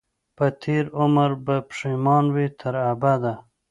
په تېر عمر به پښېمان وي تر ابده